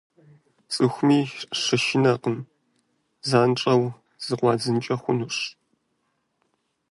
ЦӀыхуми щышынэркъым – занщӀэу зыкъуадзынкӀэ хъунущ.